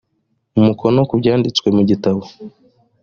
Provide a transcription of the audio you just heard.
umukono ku byanditswe mu gitabo